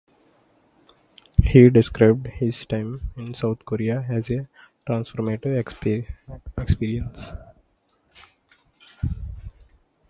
He described his time in South Korea as a transformative experience.